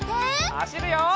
はしるよ！